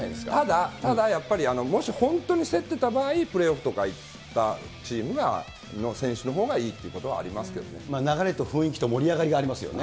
ただ、やっぱりもし本当に競ってた場合、プレーオフとか行ったチームの選手のほうがいいということはあり流れと雰囲気と盛り上がりがありますよね。